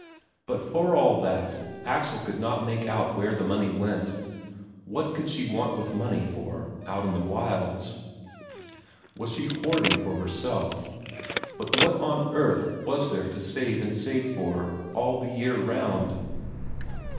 But for all that Axel could not make out where the money went what could she want money for out in the wilds? Was she hoarding for herself? But what on earth was there to save and save for, all the year round?